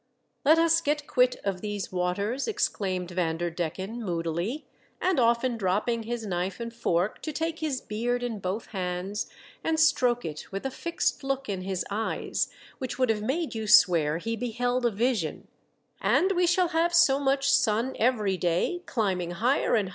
" Let us get quit of these waters," ex claimed Vanderdecken, moodily, and often dropping his knife and fork to take his beard in both hands and stroke it with a fixed look in his eyes, which would have made you swear he beheld a vision, " and we shall have so much sun every day, climbing higher and 200 THE DEATH SHIP.